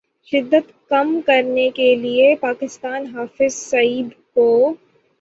شدت کم کرنے کے لیے پاکستان حافظ سعید کو